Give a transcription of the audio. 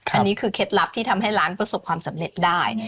อันนี้คือเคล็ดลับที่ทำให้ร้านประสบความสำเร็จได้